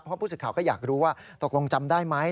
เพราะผู้สื่อข่าวก็อยากรู้ว่าตกลงจำได้ไหม